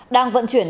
đang vận chuyển